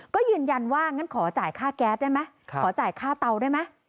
ก็ยืนยันว่างั้นขอจ่ายค่าแก๊สได้ไหมขอจ่ายค่าเตาได้ไหม